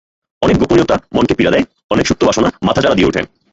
অনেক গোপনীয়তা মনকে পীড়া দেয়, অনেক সুপ্ত বাসনা মাথাচাড়া দিয়ে ওঠে।